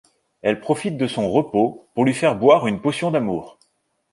Elle profite de son repos pour lui faire boire une Potion d'amour.